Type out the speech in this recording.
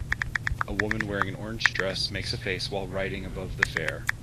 A woman wearing an orange dress makes a face while riding above the fair.